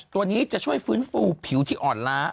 ตัวนี้จะช่วยฟื้นฟูผิวที่อ่อนล้า